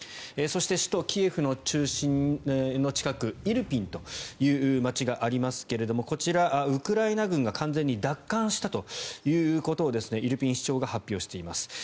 そして、首都キエフの中心の近くイルピンという街がありますがこちらウクライナ軍が完全に奪還したということをイルピン市長が発表しています。